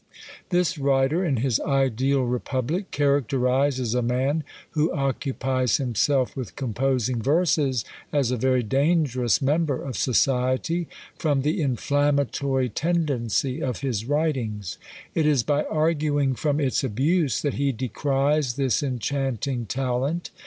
This writer, in his ideal republic, characterises a man who occupies himself with composing verses as a very dangerous member of society, from the inflammatory tendency of his writings. It is by arguing from its abuse, that he decries this enchanting talent.